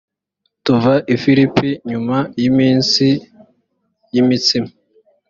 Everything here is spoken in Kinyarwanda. tuva i filipi nyuma y iminsi y imitsima